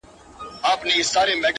ورباندي پايمه په دوو سترگو په څو رنگه،